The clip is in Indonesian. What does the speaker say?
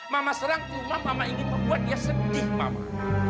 mama serang cuma mama ini membuat dia sedih mama